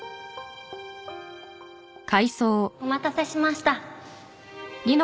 お待たせしました。